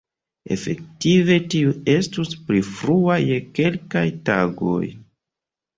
Efektive tiu estus pli frua je kelkaj tagoj.